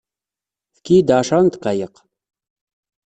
Efk-iyi-d ɛecṛa n ddqayeq.